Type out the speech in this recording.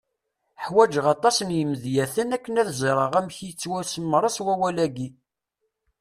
Ḥwejeɣ aṭas n yimedyaten akken ad ẓreɣ amek yettwasemres wawal-agi.